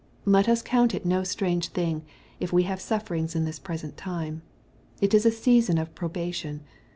Let us count it no strange thing, if we have sufferings in this present time. It is a season of probation.